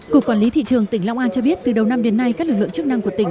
cục quản lý thị trường tỉnh long an cho biết từ đầu năm đến nay các lực lượng chức năng của tỉnh